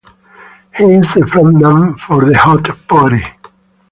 He is the frontman for Hot Potty.